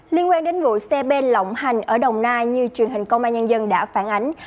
liên quan đến vụ xe bên lộng hành ở đồng nai như truyền hình công an nhân dân đã phản ánh